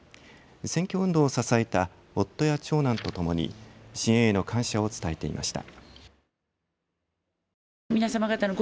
選挙運動を支えた夫や長男とともに支援への感謝を伝えていました。